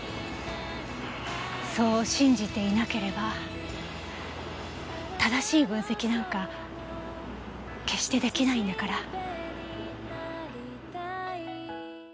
そう信じていなければ正しい分析なんか決して出来ないんだから。